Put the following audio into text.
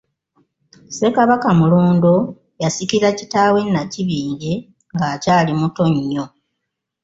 Ssekabaka Mulondo yasikira kitaawe Nakibinge nga akyali muto nnyo.